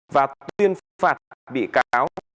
và tuyên phạt bị cáo